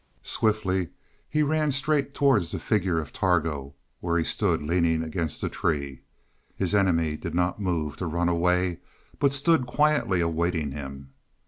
Swiftly he ran straight towards the figure of Targo, where he stood leaning against a tree. His enemy did not move to run away, but stood quietly awaiting him.